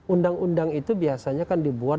undang undang itu biasanya kan dibuat